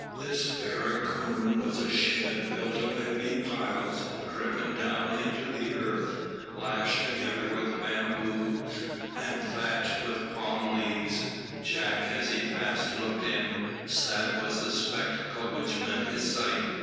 This barracoon was a shed built of heavy piles driven down into the earth, lashed together with bamboos, and thatched with palm leaves. Jack, as he passed, looked in. Sad was the spectacle which met his sight.